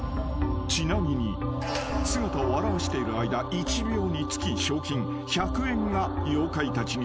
［ちなみに姿を現している間１秒につき賞金１００円が妖怪たちに入ります］